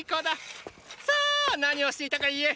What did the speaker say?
さァ何をしていたか言え！